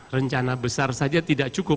rencana besar saja tidak cukup